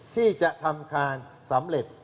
ที่จะทำคานสำเร็จ